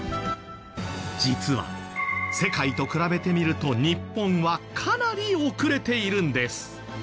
実は世界と比べてみると日本はかなり遅れているんです。